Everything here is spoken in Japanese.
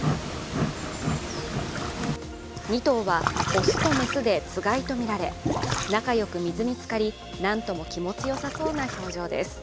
２頭は雄と雌でつがいとみられ、仲良く水につかりなんとも気持ちよさそうな表情です。